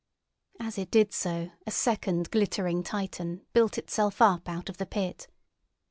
As it did so a second glittering Titan built itself up out of the pit.